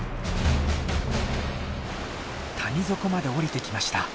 谷底まで下りてきました。